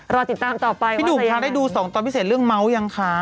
รอติดตามต่อไปว่าจะยังไงนะครับพี่หนุ่มค่ะได้ดู๒ตอนพิเศษเรื่องเมาส์ยังคะ